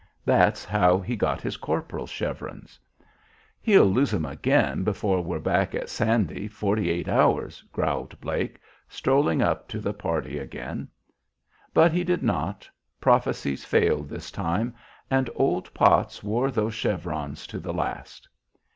That's how he got his corporal's chevrons." "He'll lose 'em again before we're back at Sandy forty eight hours," growled Blake, strolling up to the party again. But he did not. Prophecies failed this time, and old Potts wore those chevrons to the last.